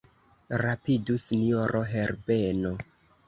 Rapidu, sinjoro Herbeno.